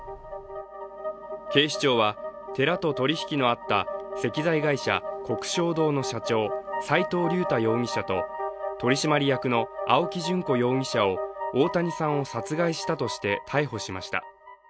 警視庁は寺と取り引きのあった石材会社の社長、斉藤竜太容疑者と取締役の青木淳子容疑者を大谷さんを殺害したとして逮捕しました。